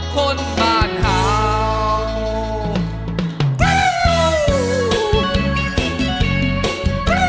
คนบ้านเฮา